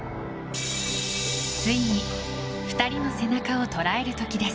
ついに、２人の背中を捉える時です。